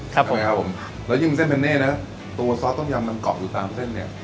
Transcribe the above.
ถูกไหมครับผมแล้วยิ่งเส้นเป็นเน่นะตัวซอสต้มยำมันเกาะอยู่ตามเส้นเนี่ย